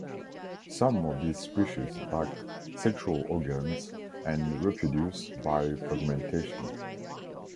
Some of these species lack sexual organs and reproduce by fragmentation.